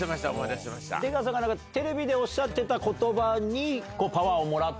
出川さんがテレビでおっしゃってた言葉に。